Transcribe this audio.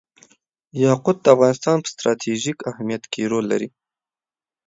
یاقوت د افغانستان په ستراتیژیک اهمیت کې رول لري.